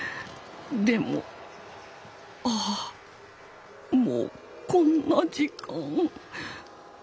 でもああもうこんな時間。